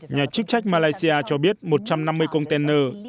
nhà chức trách malaysia cho biết một trăm năm mươi container